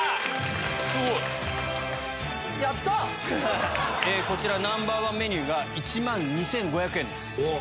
すごい！こちらＮｏ．１メニューが１万２５００円です。